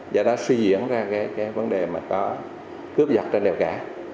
và đó suy diễn ra cái vấn đề mà có cướp dọc trên đèo cả